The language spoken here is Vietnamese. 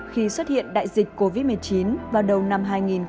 khi xuất hiện đại dịch covid một mươi chín vào đầu năm hai nghìn hai mươi